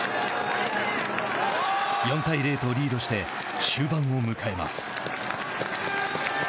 ４対０とリードして終盤を迎えます。